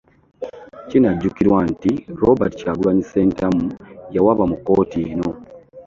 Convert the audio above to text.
Kinajjukirwa nti Robert Kyagulanyi Ssentamu yawaaba mu kkooto Eno